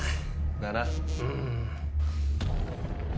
だな。